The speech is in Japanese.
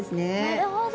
なるほど。